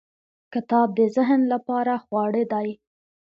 • کتاب د ذهن لپاره خواړه دی.